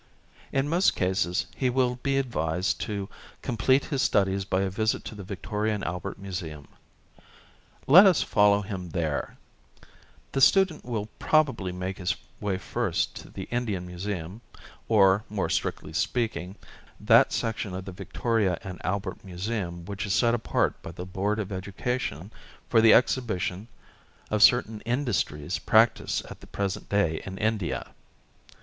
In most cases he will be advised to com plete his studies by a visit to the Victoria and Albert Museum. Let us follow him there i The student will probably make his way first to the Indian Museum, or, more strictly speaking, that section of the Victoria and Albert Museum which is set apart by the Board of Education for the exhibition of certain industries practised at the present day in India.